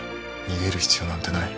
逃げる必要なんてない。